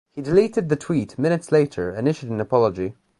He deleted the tweet minutes later and issued an apology.